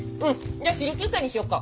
じゃあ昼休憩にしよっか。